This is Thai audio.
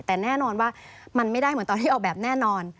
แต่แน่นอนว่ามันไม่ได้เหมือนตอนที่ออกแบบแน่นอน